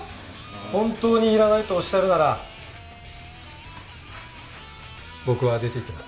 本当にいらないとおっしゃるなら僕は出ていきます。